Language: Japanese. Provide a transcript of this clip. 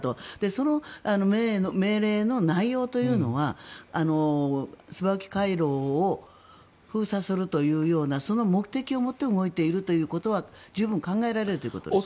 その命令の内容というのはスバウキ回廊を封鎖するというようなその目的を持って動いているということは十分考えられるということですか。